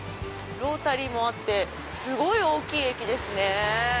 ロータリーもあってすごい大きい駅ですね。